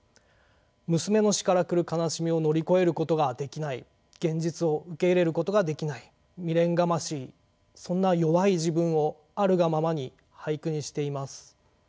娘の死から来る悲しみを乗り越えることができない現実を受け入れることができない未練がましいそんな弱い自分をあるがままに俳句にしています。